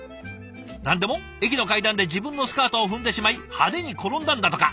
何でも駅の階段で自分のスカートを踏んでしまい派手に転んだんだとか。